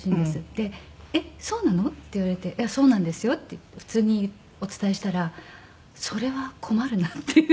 で「えっそうなの？」って言われて「そうなんですよ」って普通にお伝えしたら「それは困るな」って言うわけですね。